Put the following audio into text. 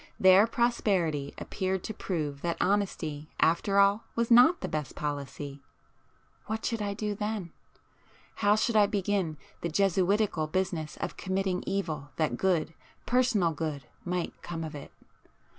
Their prosperity appeared to prove that honesty after all was not the best policy. What should I do then? How should I begin the jesuitical business of committing evil that good, personal good, might come of it?